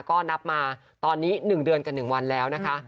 ก็นับมาตอนนี้๑เดือนกับ๑วันแล้วนะคะ